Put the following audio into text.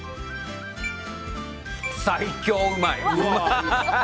最強うまい！